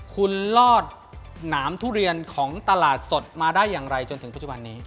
คุณลอดหนามทุเรียนของตลาดสดมาได้อย่างไรจนถึงปัจจุบันนี้